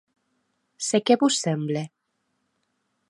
Se qué vos semble?